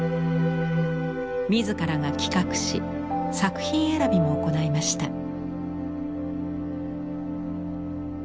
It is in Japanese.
自らが企画し作品選びも行いました。